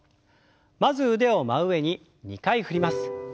まず腕を真上に２回振ります。